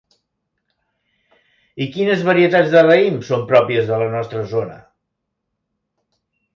I quines varietats de raïm són pròpies de la nostra zona?